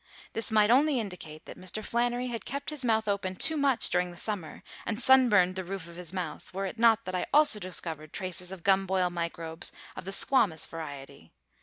This might only indicate that Mr. Flannery had kept his mouth open too much during the summer, and sunburned the roof of his mouth, were it not that I also discovered traces of gumboil microbes of the squamous variety.